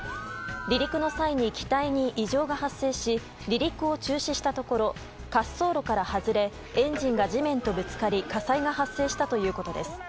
離陸の際に機体に異常が発生し離陸を中止したところ滑走路から外れエンジンが地面とぶつかり火災が発生したということです。